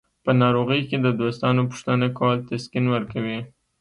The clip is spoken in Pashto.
په ناروغۍ کې د دوستانو پوښتنه کول تسکین ورکوي.